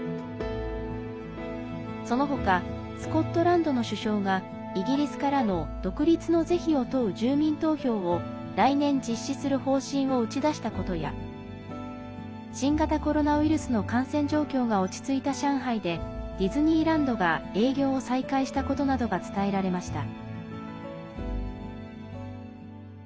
そのほかスコットランドの首相がイギリスからの独立の是非を問う住民投票を来年実施する方針を打ち出したことや新型コロナウイルスの感染状況が落ち着いた上海でディズニーランドが営業を再開したことなどが伝えられました。